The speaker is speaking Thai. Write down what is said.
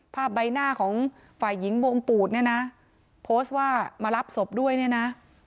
ภาพใบหน้าของฝ่ายหญิงโบงปูดเนี้ยนะว่ามารับศพด้วยเนี้ยนะ